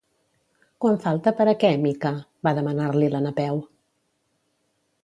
Quan falta per a què, Mica? —va demanar-li la Napeu.